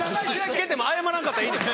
蹴っても謝らんかったらいいんです。